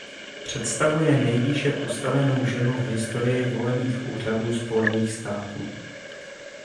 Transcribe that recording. Představuje nejvýše postavenou ženu v historii volených úřadů Spojených států.